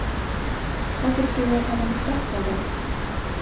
Varför tror du att han är besatt av dig?